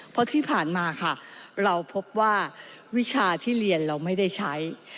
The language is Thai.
เพราะที่ผ่านมาค่ะเราพบว่าวิชาที่เรียนเราไม่ได้ใช้